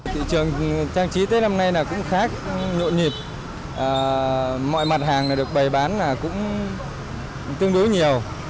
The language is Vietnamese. thị trường trang trí tết năm nay cũng khá nhộn nhịp mọi mặt hàng được bày bán là cũng tương đối nhiều